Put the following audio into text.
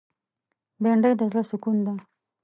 بېنډۍ د زړه سکون ده